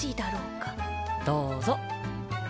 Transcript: どうぞ。